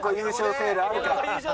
セールあるか？